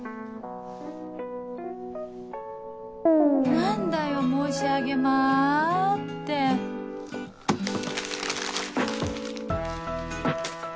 何だよ「申し上げま」ってん。